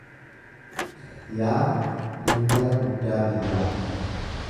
Yaa intala guddaa biyyaa.